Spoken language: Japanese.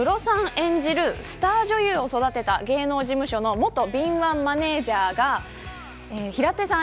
演じるスター女優を育てた芸能事務所の元敏腕マネジャーが平手さん